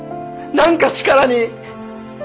何か力に。